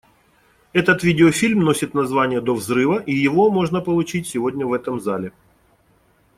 Этот видеофильм носит название «До взрыва», и его можно получить сегодня в этом зале.